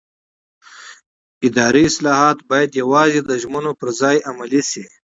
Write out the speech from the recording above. اداري اصلاحات باید یوازې د ژمنو پر ځای عملي شي